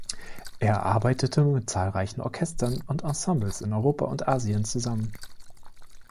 Er arbeitete mit zahlreichen Orchestern und Ensembles in Europa und Asien zusammen.